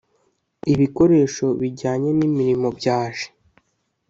ibikoresho bijyanye n imirimo byaje